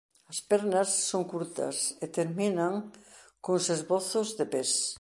As pernas son curtas e terminan cuns esbozos de pés.